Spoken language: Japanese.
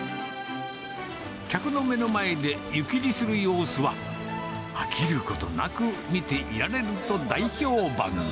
客の目の前で湯切りする様子は、飽きることなく見ていられると大評判。